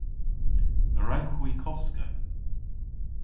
A wrewgh hwi koska?